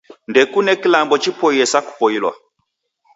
Ndekune kilambo chipoiye sa kupoilwa.